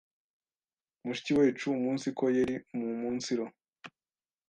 mushiki wecu umunsiko yeri muumunsiru